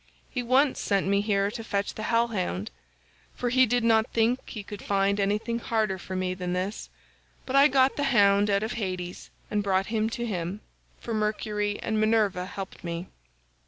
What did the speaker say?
He once sent me here to fetch the hell hound—for he did not think he could find anything harder for me than this, but I got the hound out of Hades and brought him to him, for Mercury and Minerva helped me.